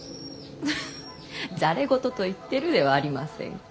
フッざれ言と言ってるではありませんか。